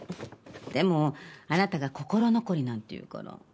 でもあなたが心残りなんて言うから。